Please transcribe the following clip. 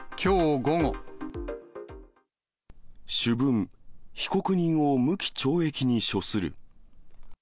主文、被告人を無期懲役に処する。